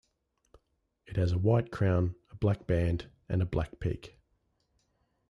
It has a white crown, a black band and a black peak.